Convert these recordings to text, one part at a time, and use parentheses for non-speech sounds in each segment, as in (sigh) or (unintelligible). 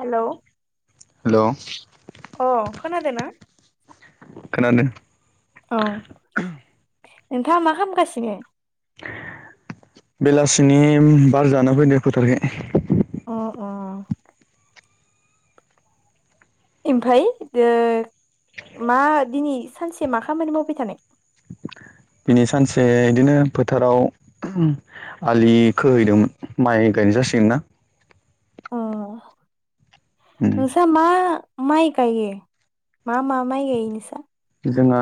हेल' hello अ खोनादों ना? खोनादों । नोंथाङा मा खामगासिनो? बेलासिनि बार जानो फैदों फोथारखै। अ अ। ओमफाय ओ मा दिनै सानसे मा खामानि मावबाय थानाय? (inaudible) बिनि सानसे बिदिनो फोथाराव आलि खोहैदोंमोन माइ गायदों जासिगोन ना? अ उम नोंसा मा माइ गायो मा मा माइ गायो नोंसा? जोंहा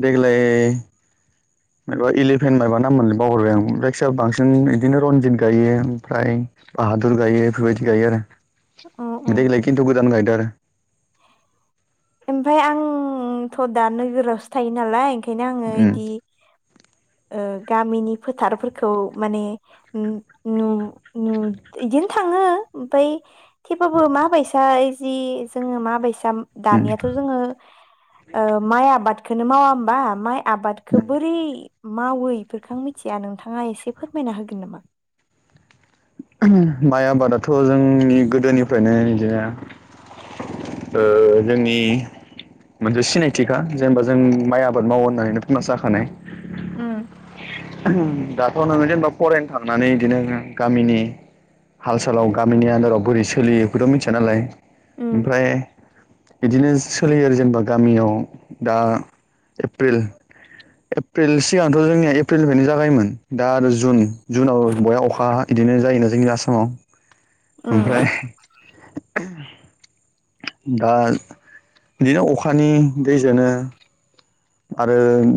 देग्लाय माबा इलिपेन माबा नाम मोनलाय बावलायलांबाय आं जायखिया बांसिन इदिनो रनजित गायो ओमफ्राय बाहादुर गायो बेफोरबायदि गायो अ अ आरो देग्लाय खिन्थु गोदान गायदों आरो। ओमफाय आंथ' दा नोगोरावसो थायो नालाय ओंखायनो आङो उम इदि (inaudible) ओ गामिनि फोथारफोरखौ माने उ नु नु इदिनो थाङो थाङो ओमफ्राय थेबाबो माबायसाय जे जोङो माबायसा उम उम दानियाथ' जोङो ओ माइ आबादखौनो मावा होमबा माइ आबादखौ बोरै मावो इफोरखौ आं मिथिया नोंथाङा एसे फोरमायना होगोन नामा? माइ आबादाथ' जोंनि गोदोनिफ्रायनो इदिनो ओ जोंनि मोनसे सिनायथिखा जेनेबा जों माइ आबाद मावो होननानैनो फेमास जाखानाय उम। उम दाथ' नोङो जेनेबा फरायनो थांनानै इदिनो गामिनि हाल सालाव गामिनि आन्दाराव बोरै सोलियो बेखौथ' मिथिया नालाय। उम ओमफ्राय बिदिनो सोलियो आरो जेनेबा गामियाव दा एप्रिल एप्रिल सिगांथ' जोंनिया एप्रिलनिफ्रायनो जागायोमोन दा आरो जुन जुनाव बया अखा इदिनो जायोना जोंनि आसामाव। ओमफ्राय दा बिदिनो अखानि दैजोंनो आरो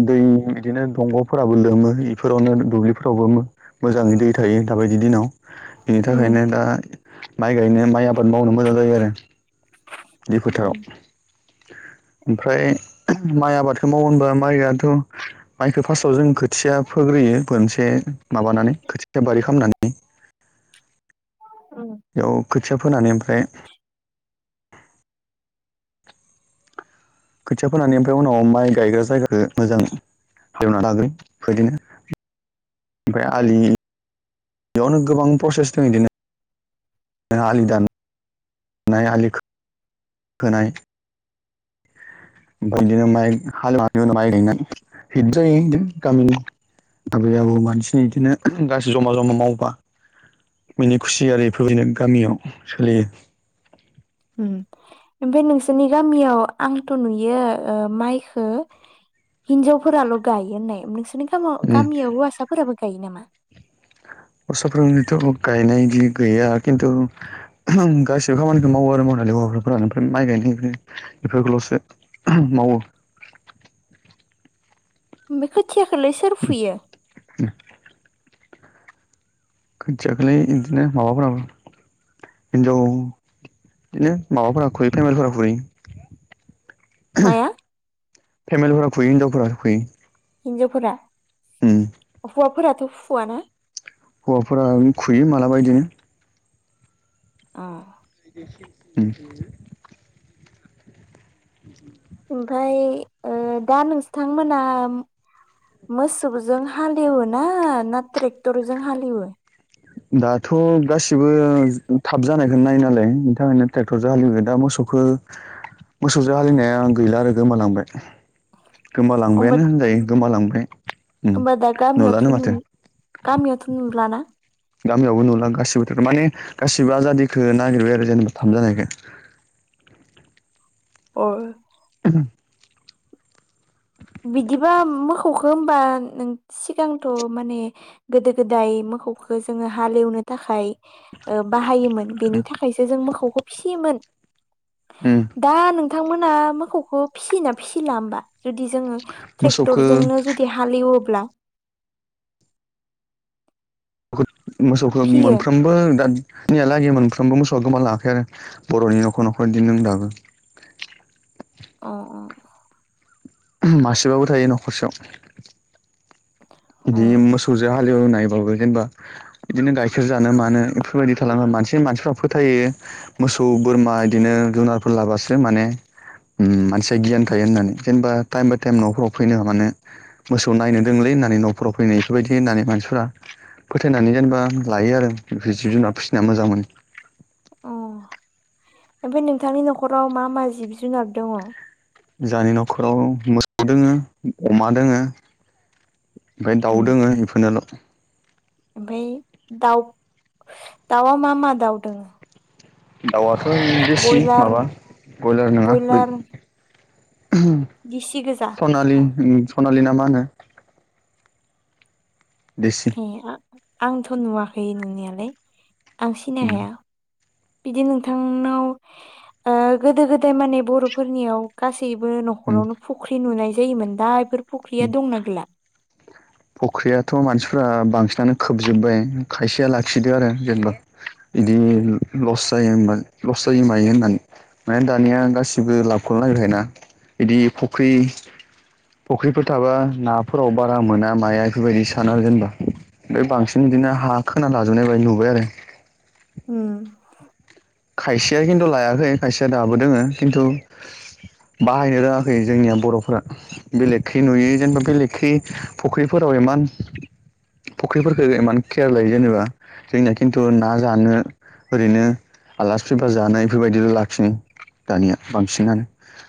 दै बिदिनो दंग'फोराबो लोमो इफोरावनो दुब्लिफोरावबो‌ मो मोजाङै दै थायो दाबायदि दिनाव बिनि उम थाखायनो दा माइ गायनो माइ आबाद मावनो मोजां जायो आरो। बे उम फोथाराव ओमफ्राय माइ आबादखौ मावोहोनबा माइआथ' माइखौ फास्तआव जों खोथिया फोग्रोयो मोनसे माबानानै खोथिया बारि खालामनानै। औ। बेयाव खोथिया फोनानै ओमफ्राय खोथिया फोनानै ओमफ्राय उनाव माइ गायग्रा जायगाखौ मोजां हालेवना लाग्रोयो बेबायदिनो ओमफ्राय आलि बेयावनो गोबां प्रसेस दं इदिनो आलि दाननाय आलि खोनाय । (inaudible) ओमफ्राय इदिनो माइ हालेवनानै माइ गायनानै हित जायो इदिनो गामिनि आबै आबौ मानसिनि बिदिनो गासै जमा जमा मावबा मिनि खुसिआरि इफोर बादिनो गामियाव सोलियो। उम ओमफाय नोंसोरनि गामियाव आंथ' नुयो ओ‌ माइखो हिनजावफोराल' गायो होननाय नोंसोरनि गामायाव गामियाव हौवासाफोराबो गायो नामा? (inaudible) हौवासाफोरनिथ' गायनाय बिदि गैया खिन्थु गासिबो खामानिखौ मावो आरो मावनायालाय हौवाफोरानो माइ गायनाय बेफोरखौल'सो मावो। ओमफाय खोथियाखौलै सोर फुयो? खोथियााखोलाय इदिनो माबाफोराबो हिनजाव बिदिनो माबाफोरा फुयो फेमेल फोरा फुयो। माया? फेमेलफोरा फुयो हिनजावफोरा फुयो। हिनजावफोरा? उम हौवाफोराथ' फुुवाना? हौवाफोरा खुयो मालाबा इदिनो अ उम ओमफाय ओ दा नोंस्थांमोना मोसौजों हालएवो ना ना ट्रेक्टरजों हालएवो? दाथ' गासिबो थाब जानायखौनो नायो नालाय बिनि थाखायनो ट्रेक्टर जों हालएवो दा मोसौ खौ मोसौजों हालिवनाया गैला आरो गोमालांबाय। होमबा गोमालांबायानो होनजायो गोमालांबाय ओम होमबा दा गामियावथ' नुलानो नु माथो। गामियावथ' नुलाना गामियावबो नुला गासिबोथ' माने गासिबो आजादिखो नागिरबाय आरो जेनेबा थाब जानायखो। अ बिदिबा मोखौखो होमबा नों सिगांथ' माने गोदो गोदाय मोखौखो जोङो हालएवनो थाखाय ओ बाहायोमोन बेनि थाखायसो जों मोखौखो फिसियोमोन। उम दा नोंथांमोना मोखौखो फिसियोना फिसिला होमबा जु दि जोङो मोसौखो ट्रेक्टरजोंनो जुदि हालएवोब्ला मोसौखौ फियो मोनफ्रोमबो दा नैयाहालागै मोनफ्रोमबो मोसौआ गोमा लाङाखै आरो बर'नि न'खर न'खर दों दाबो अ अ मासेबाबो थायो न'खरसेयाव अ बिदि मोसौजों हालएवनायबाबो जेनेबा बिदिनो गाइखेर जा नो मानो बेफोरबायदि थालाङो मानसि मानसिफ्रा फोथायो मोसौ बोरमा बिदिनो जुनारफोर लाबासो माने ओम मानसिया गियान थायो होननानै जेनेबा टाइम बाय टाइम न'खराव फैनो मानो मोसौ नायनो दोंलै होननानै न'फोराव फैनो बेफोरबायदि होननानै मानसिफोरा फोथायनानै जेनेबा लायो आरो बे जिब जुनार फिसिना मोजां मोनो। ओमफाय नोंथांनि न'खराव मा मा जिब जुनार दङ? जोंहानि न'खराव मोसौ दोङो अमा दोङो। ओमफाय दाउ दोङो बेफोरनोल'। ओमफाय दाउ दाउआ मा मा दाउ दोङो। दाउआथ' देसि बयलार माबा ब्रयलार नङा बयलार दिसि गोजा सनालि सनालि ना मा होनो। देसि ए आंथ' नुवाखै नुनायालाय आं सिनाय उम हाया। बिदि नोंथांनाव ओ गोदो गोदाय माने बर'फोरनियाव गासै बो उम न'खरावनो फुख्रि नुनाय जायोमोन दा बेफोर उम फुख्रिया दंना गैला? फख्रियाथ' मानसिफ्रा बांसिनानो खोबजोब्बाय खायसेया लाखिदो आरो जेनेबा। बिदि लस जायो होमबा लस जायो मायो होननानै माने दानिया गासिबो लाबखौ नागिरखायो ना बिदि फख्रि फुख्रिफोर थाबा नाफोराव बारा मोना माया बेफोरबायदि सानो आरो जेनेबा। बे बांसिन बिदिनो हा खोना लाजोबनाय बायदि नुबाय आरो। उम। खायसेया खिन्थु लायाखै खायसेया दाबो दोङो खिन्थु बाहायनो रोङाखै जोंनिया बर'फोरा बेलेगखै नुयै जेनेबा बेलेगखै फुख्रिफोराव मानस फुख्रिफोरखौ इमान केयार लायो जेनेबा जोंनिया खिन्थु ना जानो ओरैनो आलासि फैबा जानाय बेफोरबायदिल' लाखिनो दानिया बांसिनानो।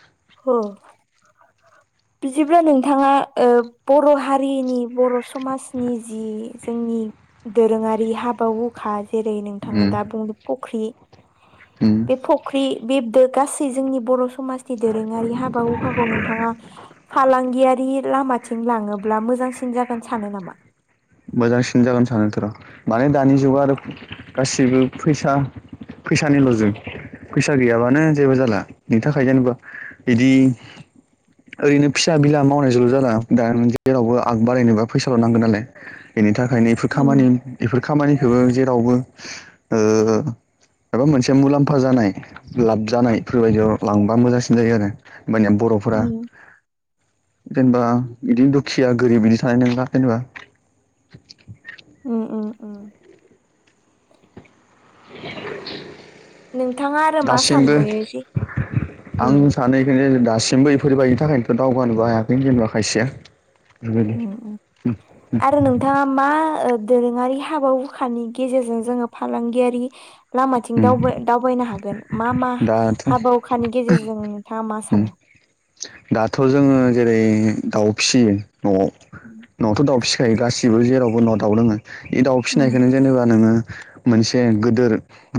अ (inaudible) बिदिब्ला नोंथाङा ओ बर' हारिनि बर' समाजनि जि जोंनि दोरोङारि हाबा हुखा जेरै नोंथाङा उम दा बुंदों फख्रि उम बे फख्रि बेदो गासै जोंनि बर' समाजनि दोरोङारि हाबा हुखाखौ नोंथाङा फालांगियारि लामाथिं लाङोब्ला मोजांसिन जागोन सानो नामा? मोजांसिन जागोन सानोथ' र' माने दानि जुगाव आरो गासिबो फैसा फैसानिल' जुग फैसा गैयाबानो जेबो जाला नोंनि थाखाय जेनेबा बिदि ओरैनो फिसा बिला मावनायजोंल' जा जादों दा जेरावबो आग बारायनोबा फैसाल' नांगोन नालाय। बेनि थाखायनो बेफोर उम खामानि बेफोर खामानिखौबो जेरावबो ओ एबा मोनसे मुलाम्फा जानाय लाब जानायफोरबायदियाव लांबा मोजांसिन जायो आरो। माने बर'फोरा। उम जेनेबा बिदिनो दुखिया गोरिब बिदि थानाय नंला जेनेबा। उम उम उम। (inaudible) नोंथाङा आरो मा दासिमबो सानबयो जे आं सानो बेखायनो दासिमबो बेफोरबाय थाखायनोथ' दावगानोबो हायाखै जेनेबा खायसेया। ओ ओ आरो नोंथाङा मा ओ दोरोङारि हाबा हुखानि गेजेरजों जोङो फालांगियारि लामाथिं उम दावबाय-दावबायनो हागोन मा मा दाथ' हाबा हुखानि गेजेरजों नोंथाङा मा उम सानो? दाथ' जोङो जेरै दाउ फिसियो न'आव उम न'आवथ' दाउ फिसिखायो गासि बो जेरावबो उ न'आव दाउ दङो बे दाउ उम फिसिनायखौनो जेनेबा नोङो मोनसे गिदोर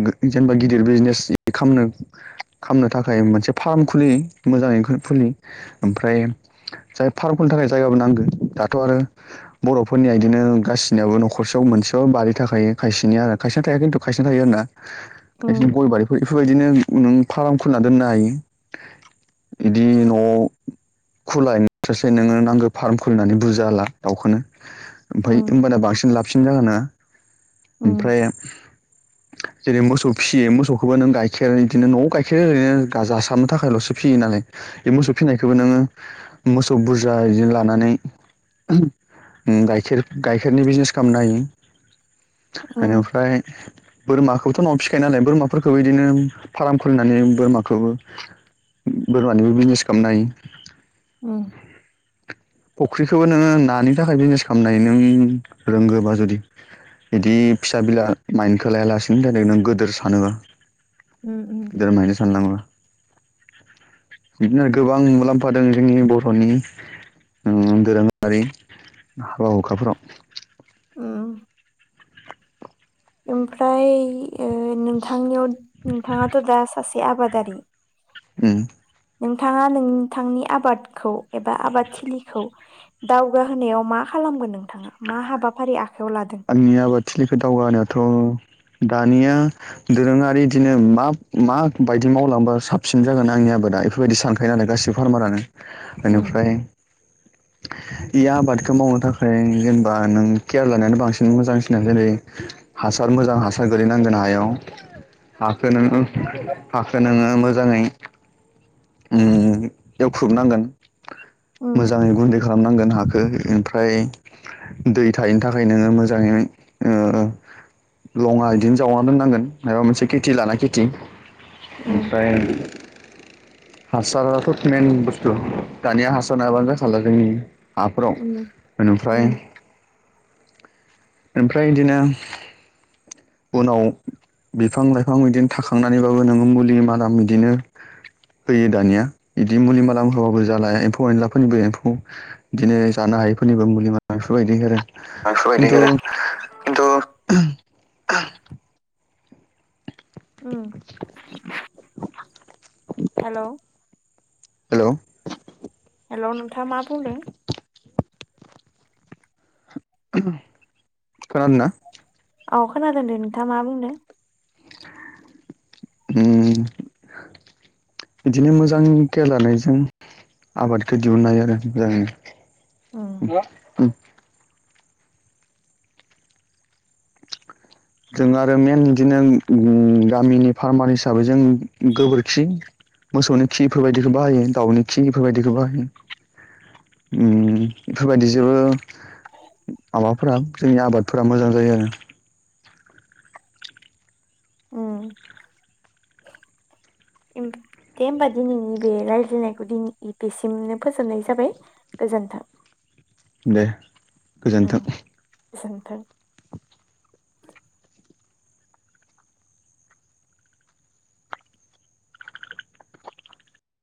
जेनेबा गिदिर बिजनेसनो खालामनो थाखाय मोनसे फार्म खुलि मोजाङै खुलि। ओमफ्राय जाय फार्मफोरनि थाखाय जायगाबो नांगौ दाथ' आरो बर'फोरनिया इदिनो ओ गासिनियाबो न'खरसेयाव मोनसेयाव बारि थाखायो खायसेनिया आरो खायसेया थाया खिन्थु खायसेना थायो आरो ना। खायसे उम गय बारिफोर इफोरबायदिनो नों फार्म खुलिना दोननो हायो। बिदि न खुलायनायफ्रायसो नोङो नांगौ फार्म खुलिनानै बुजा हला दाउखौनो। ओमफ्राय उम होमबाना बांसिन लाबसिन जागोन नोंहा। उम ओमफ्राय जेरै मोसौ फिसियो मोसौखौबो नों गाइखेर बिदिनो न'आव गाइखेरो ओरैनो जासारनो थाखायल'सो फियोना बे मोसौ फिसिनायखौबो नोङो मोसौ बुरजा बिदि लानानै। गाइखेर गाइखेरनि बिजनेस खालामनो हायो। आ उम बिनिफ्राय बोरमाखौबोथ' न'आव फिखायो नालाय बोरमाफोरखौबो बिदिनो फार्म खुलिनानै बोरमाखौबो। बोरमानिबो बिजनेस खालामनो हायो। ओम फुख्रिखौबो नोङो नानि थाखाय बिजनेस खालामनाय नों रोंगोबा जुदि। बिदि फिसा बिला माइन्दखौ लायालासिनो नों गोदोर सानोबा। उम दोर मादि साननाङा। बिदिनो गोबां मुलाम्फा दों जोंनि बर'नि दोरोङारि। हाबा हुखाफोराव ओ। ओमफ्राय ओ नोंथांनियाव नोंथाङाथ' दा सासे। आबादारि। ओ। नोंथाङा नोंथांनि आबादखौ एबा आबाद थिलिखौ दावगाहोनायाव मा। खालामगोन नोंथाङा मा हाबाफारि आ? आंनि आबादथिलिखौ दावगानायाथ' दानिया दोरोङारि बिदिनो मा माबायदि मावलांबा साबसिन जागोन आंनि आबाद। दा बेफोरबायदि सानखायो नालाय गासिबो फारमारानो उम इनिफ्राय इ आबादखौ मावनो थाखाय जेनेबा नों केयार लानो बांसिन मोजांसिन जेरै हासार मोजां हासार गोलैनांगोन हायाव हाखो नोङो हाखो नोङो मोजाङै ओ एवख्रुबनांगोन उम मोजाङै गुन्दै खालामनांगोन हखौ ओमफ्राय दै थाहनो थाखाय नोङो मोजाङै ओ लङा बिदिनो जावना दोननांगोन माबा मोनसे खेथि लाना खेथि उम ओनफ्राय हासाराथ' मेन बुस्थु दानिया हासार नाबानो जाखाला जोंनि हाफोराव उम बेनिफ्राय उम ओमफ्राय बिदिनो उनाव बिफां लाइफां बिदिनो थाखांनानैबाबो नोङो मुलि मादाम बिदिनो होयो दानिया बिदि मुलि माला होबाबो जालाया एम्फौ एनलाफोरनिबो एम्फौ बिदिनो ज हायोफोरनिबो मुलि बेफोरबायायदि आरो खिन्थु (inaudible) खिन्थु औ उम हेल' हेल' हेल' नोंथाङा मा बुंदों खोनादोना औ खोनादोंदो नोंथाङा मा बुंनो बिदिनो मोजां खेेलनायजों आबादखौ दिहनाय आरो उम ज जों आरो मेइन बिदिनो गामिनि फार्मार हिसाबै जों गोबोरखि मोसौनि खि बेफोरबायदिखौ बाहायो दाउनि खि बेफोरबायदिखौ बाहायो उम बेफोरबायदि जेबो माबाफोरा जोंनि आबादफोरा मोजां जायो आरो उम (unintelligible) इम दे होमबा दिनैनि बे रायज्लायनायखौ दिनै बेसिमनो फोजोबनाय जाबाय। गोजोन्थों। दे गोजोनथों। गोजोनथो।